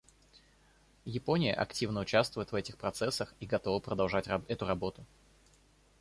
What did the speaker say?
Япония активно участвует в этих процессах и готова продолжать эту работу.